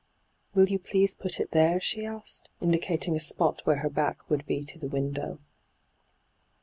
' Will you please put it there ?' she asked, indicating a spot where her back would be to the window.